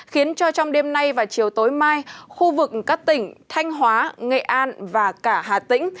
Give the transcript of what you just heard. khiến cho trong đêm nay và chiều tối mai khu vực các tỉnh thanh hóa nghệ an và cả hà tĩnh